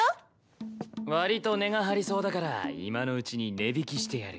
わりと値が張りそうだから今のうちに値引きしてやる。